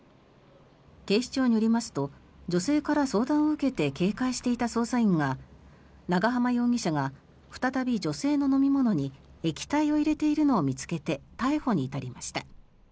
警視庁によりますと女性から相談を受けて警戒していた捜査員が長濱容疑者が再び女性の飲み物に液体を入れているのを見つけて逮捕に至りました。